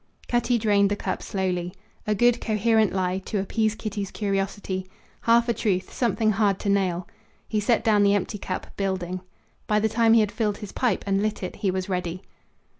Cutty drained the cup slowly. A good coherent lie, to appease Kitty's curiosity; half a truth, something hard to nail. He set down the empty cup, building. By the time he had filled his pipe and lit it he was ready.